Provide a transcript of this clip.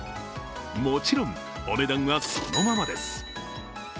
もちろん、お値段はそのままです。